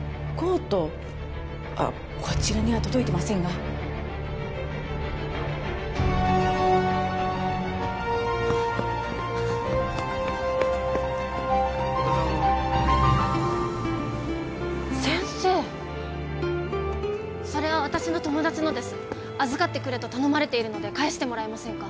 あっこちらには届いてませんが先生それは私の友達のです預かってくれと頼まれているので返してもらえませんか？